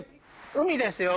海ですよ。